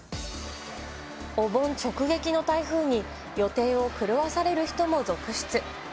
お盆直撃の台風に予定を狂わされる人も続出。